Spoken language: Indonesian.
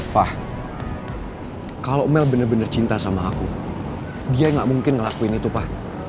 pak kalau mel bener bener cinta sama aku dia gak mungkin ngelakuin itu pak